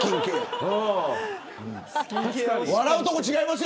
笑うところ違いますよ。